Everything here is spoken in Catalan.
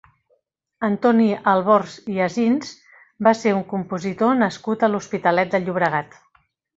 Antoni Albors i Asins va ser un compositor nascut a l'Hospitalet de Llobregat.